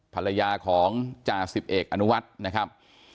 ภรรยาของจ่าสิบเอกอนุวัฒน์นะครับ